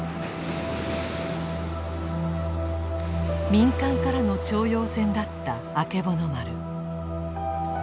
民間からの徴用船だったあけぼの丸。